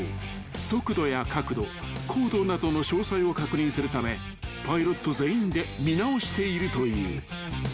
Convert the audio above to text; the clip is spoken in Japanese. ［速度や角度高度などの詳細を確認するためパイロット全員で見直しているという］